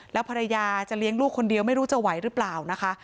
แล้วภรรยาจะเลี้ยงลูกคนเดียวไม่รู้จะไหวหรือเปล่านะคะ